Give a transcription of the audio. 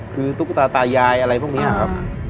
คือตุ๊กตาตายายอะไรพวกนี้ครับ